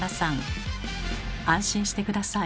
安心して下さい。